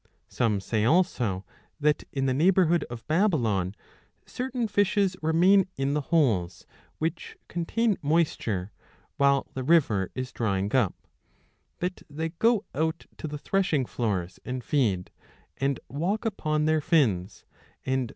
Some say also that in the neighbourhood of Babylon 7 2 certain fishes remain in the holes, which contain moisture, while the river is drying up ; that they go out to the 10 threshing floors and feed, and walk upon their fins, and 1 Read nvdt a(po8fvoi>T<i.